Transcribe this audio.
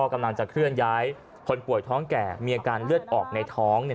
กำลังจะเคลื่อนย้ายคนป่วยท้องแก่มีอาการเลือดออกในท้องเนี่ย